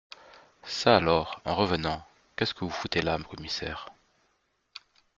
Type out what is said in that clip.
Ça alors, un revenant ! Qu’est-ce que vous foutez là, commissaire ?